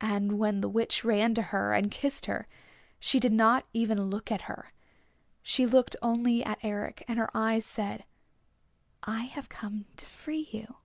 And when the Witch ran to her and kissed her she did not even look at her. She looked only at Eric, and her eyes said, "I have come to free you."